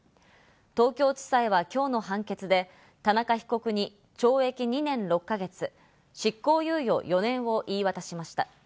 東京地裁は今日の判決で田中被告に懲役２年６か月、執行猶予４年を言い渡しました。